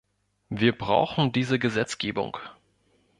Wir brauchen diese Gesetzgebung.